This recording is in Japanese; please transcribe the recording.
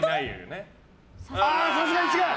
さすがに違う！